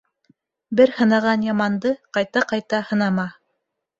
Бер һынаған яманды ҡайта-ҡайта һынама.